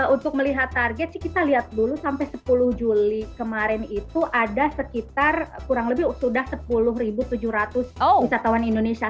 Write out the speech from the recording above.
untuk melihat target sih kita lihat dulu sampai sepuluh juli kemarin itu ada sekitar kurang lebih sudah sepuluh tujuh ratus wisatawan indonesia